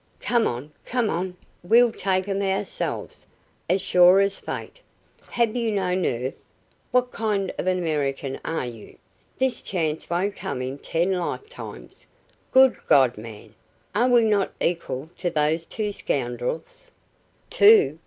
Come on! Come on! We'll take 'em ourselves, as sure as fate. Have you no nerve? What kind of an American are you? This chance won't come in ten lifetimes! Good God, man, are we not equal to those two scoundrels?" "Two?